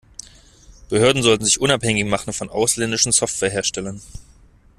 Behörden sollten sich unabhängig machen von ausländischen Software-Herstellern.